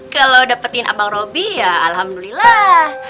kalau dapetin abang robby ya alhamdulillah